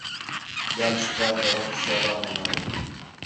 ٻِیال شِکار تا وخت سیالہ ہونا ہے